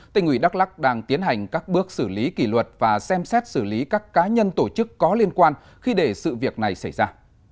tỉnh ủy đắk lắc đang tiến hành các bước xử lý kỷ luật và xem xét xử lý các cá nhân tổ chức có liên quan khi để sự việc này xảy ra